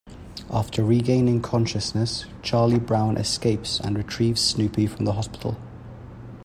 After regaining consciousness, Charlie Brown escapes and retrieves Snoopy from the hospital.